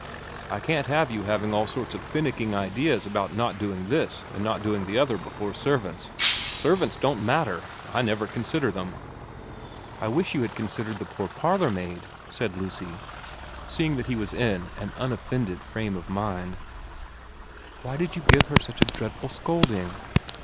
I can't have you having all sorts of finicking ideas about not doing this and not doing the other before servants. Servants don't matter. I never con sider them.' ' I wish you had considered the poor parlourmaid,' said Lucy, seeing that he was in an unoffended frame of mind. * Why did you give her such a dreadful scolding